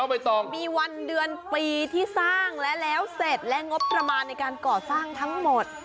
ไม่ต้องมีวันเดือนปีที่สร้างและแล้วเสร็จและงบประมาณในการก่อสร้างทั้งหมด